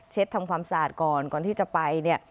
ทำความสะอาดก่อนก่อนที่จะไปเนี่ย